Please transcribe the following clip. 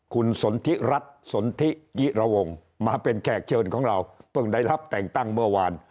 คุณสนทิรัฐสนทิยิระวงมาเป็นแขกเชิญของเราเพิ่งได้รับแต่งตั้งเมื่อวาน